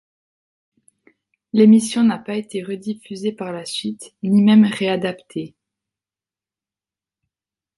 L'émission n'a pas été rediffusée par la suite, ni même réadaptée.